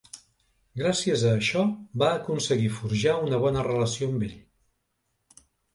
Gràcies a això va aconseguir forjar una bona relació amb ell.